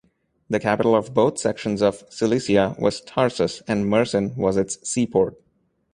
The capital of both sections of Cilicia was Tarsus and Mersin was its seaport.